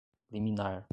liminar